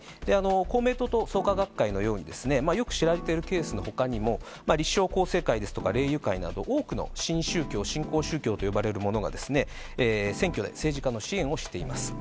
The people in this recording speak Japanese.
公明党と創価学会のように、よく知られているケースのほかにも、立正佼成会ですとか霊友会など、多くの新宗教、新興宗教と呼ばれるものが、選挙で政治家の支援をしています。